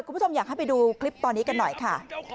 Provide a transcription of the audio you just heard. คุณผู้ชมอยากให้ไปดูคลิปตอนนี้กันหน่อยค่ะ